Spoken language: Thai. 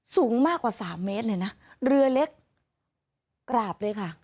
สูงมากกว่าสามเมตรเลยนะเรือเล็กกราบเลยค่ะ